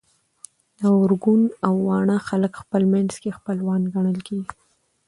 د ارګون او واڼه خلک خپل منځ کي خپلوان ګڼل کيږي